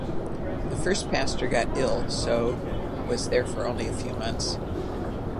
The first pastor got ill, so was there for only a few months.